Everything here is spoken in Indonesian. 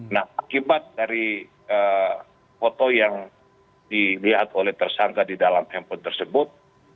nah akibat dari foto yang dilihat oleh tersangka di dalam handphone tersebut